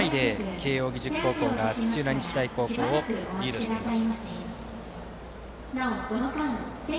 慶応義塾高校が土浦日大高校をリードしています。